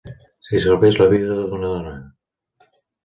Si salvés la vida d'una dona.